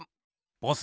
ボス